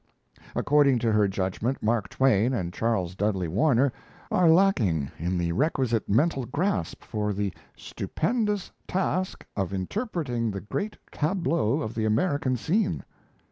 According to her judgment, Mark Twain and Charles Dudley Warner are lacking in the requisite mental grasp for the "stupendous task of interpreting the great tableau of the American scene."